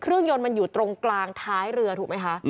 ยนต์มันอยู่ตรงกลางท้ายเรือถูกไหมคะ